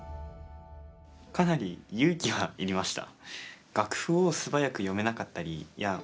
かなり勇気はいりました。